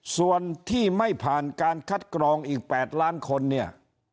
ส่วนที่ไม่ผ่านการคัดกรองอีก๘ล้านคนเนี่ย